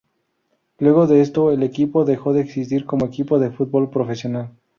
Luego de esto, el equipo dejó de existir como equipo de fútbol profesional.